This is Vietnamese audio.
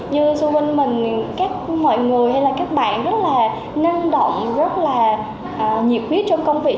như du binh mình các mọi người hay là các bạn rất là năng động rất là nhiệt huyết trong công việc